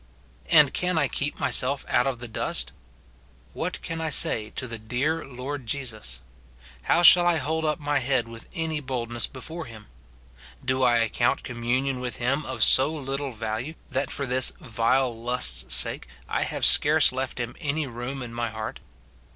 And can I keep myself out of the dust ? What can I say to the dear Lord Jesus ? How shall I hold up my head with any boldness before him ? Do I account communion with him of so little value, that for this vile lust's sake I have scarce left him any room in my heart